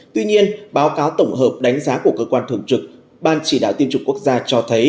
tuy nhiên báo cáo tổng hợp đánh giá của cơ quan thường trực ban chỉ đạo tiên trục quốc gia cho thấy